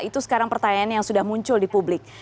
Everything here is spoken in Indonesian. itu sekarang pertanyaan yang sudah muncul di publik